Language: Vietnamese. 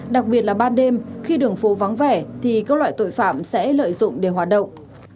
đặc biệt là ban đêm khi đường phố vắng vẻ thì các loại tội phạm sẽ lợi dụng để hoạt động